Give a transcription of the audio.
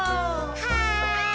はい！